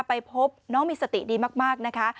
ไปพบน้องมีสติดีมากนะคะ